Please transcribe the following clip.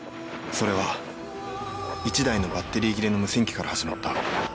それは１台のバッテリー切れの無線機から始まった。